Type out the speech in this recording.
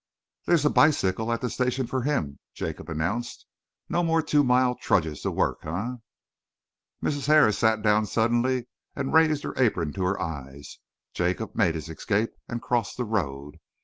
"There's a bicycle at the station for him," Jacob announced. "No more two mile trudges to work, eh?" Mrs. Harris sat down suddenly and raised her apron to her eyes. Jacob made his escape and crossed the road.